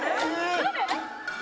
誰？